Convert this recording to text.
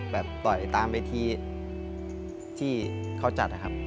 แบบต่อยตามไปที่เข้าจัดนะครับ